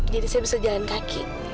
jadi saya bisa jalan kaki